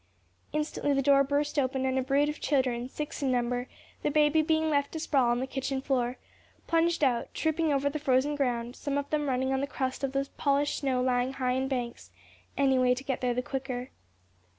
Instantly the door burst open and a brood of children, six in number, the baby being left to sprawl on the kitchen floor, plunged out, trooping over the frozen ground, some of them running on the crust of the polished snow lying high in banks any way to get there the quicker.